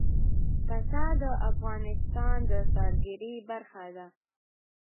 پسه د افغانستان د سیلګرۍ برخه ده.